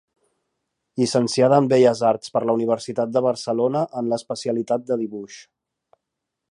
Llicenciada en Belles Arts per la Universitat de Barcelona en l’especialitat de dibuix.